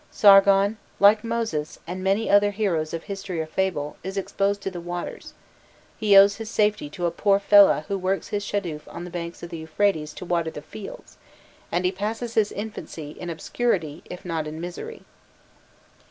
* Sargon, like Moses, and many other heroes of history or fable, is exposed to the waters: he owes his safety to a poor fellah who works his shadouf on the banks of the Euphrates to water the fields, and he passes his infancy in obscurity, if not in misery.